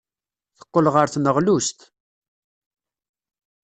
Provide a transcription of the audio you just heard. Teqqel ɣer tneɣlust.